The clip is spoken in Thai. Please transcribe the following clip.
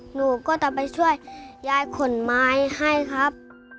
หนูก็จะไปช่วยยายขนไม้ให้ครับ